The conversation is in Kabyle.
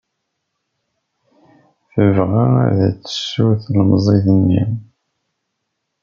Tebɣa ad tsew tlemẓit-nni.